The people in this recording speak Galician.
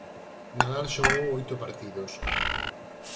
Nadal xogou oito partidos.